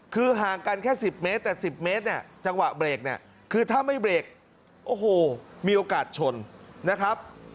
คือห่างกันแค่๑๐เมตรแต่๑๐เมตรเนี่ยจังหวะเบรกเนี่ยคือถ้าไม่เบรกโอ้โหมีโอกาสชนนะครับ